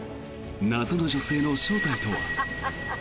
謎の女性の正体とは？